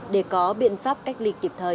để có biện pháp cách ly kịp thời